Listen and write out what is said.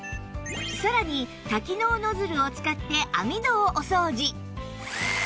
さらに多機能ノズルを使って網戸をお掃除